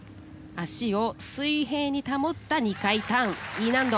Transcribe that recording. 足を水平に保った２回ターン、Ｅ難度。